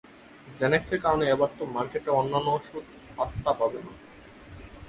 জ্যানেক্সের কারণে এবার তো মার্কেটের অন্যান্য ওষুধ পাত্তা পাবে না!